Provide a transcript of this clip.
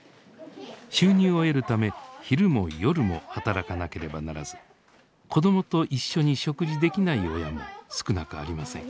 収入を得るため昼も夜も働かなければならず子どもと一緒に食事できない親も少なくありません。